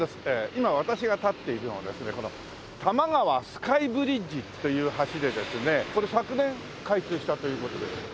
今私が立っているのはですねこの多摩川スカイブリッジという橋でですねこれ昨年開通したという事です。